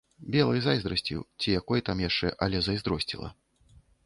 Белай зайздрасцю ці якой там яшчэ, але зайздросціла.